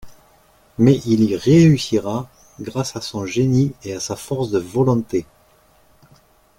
Mais il y réussira, grâce à son génie et à sa force de volonté.